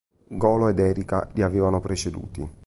Golo ed Erika li avevano preceduti.